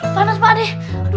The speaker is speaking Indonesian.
panas pak deh